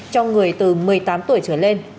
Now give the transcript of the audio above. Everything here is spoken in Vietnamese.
cho người từ một mươi tám tuổi trở lên